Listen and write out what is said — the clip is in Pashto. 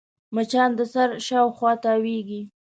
مچان د سر شاوخوا تاوېږي